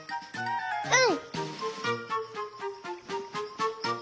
うん！